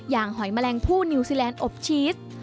หอยแมลงผู้นิวซีแลนด์อบชีส